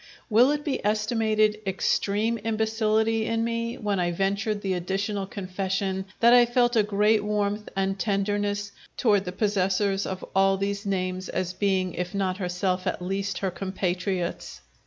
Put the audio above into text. Will it be estimated extreme imbecility in me when I ventured the additional confession that I felt a great warmth and tenderness toward the possessors of all these names, as being, if not herself, at least her compatriots?